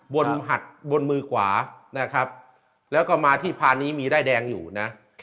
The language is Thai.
หัดบนมือขวานะครับแล้วก็มาที่พานนี้มีด้ายแดงอยู่นะ